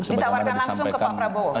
ditawarkan langsung ke pak prabowo